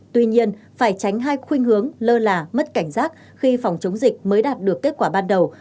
tuy nhiên phải tránh hai khuyên hướng lơ là mất cảnh giác khi phòng chống dịch mới đạt được kết quả ban đầu